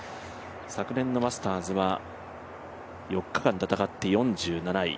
昨年のマスターズは４日間戦って４７位。